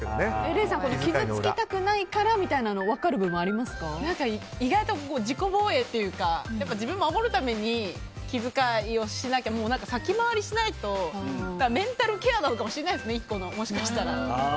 礼さん傷つきたくないからみたいなの意外と自己防衛というか自分を守るために気遣いをしなきゃ先回りしないとメンタルケアなのかもしれないですね、もしかしたら。